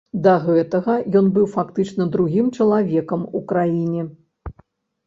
Да гэтага ён быў фактычна другім чалавекам у краіне.